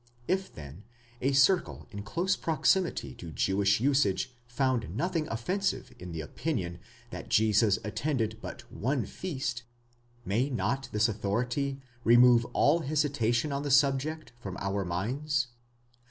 If then, a circle in close proximity to Jewish usage found nothing offensive in the opinion that Jesus attended but one feast, may not this authority remove all hesitation on the subject from our minds?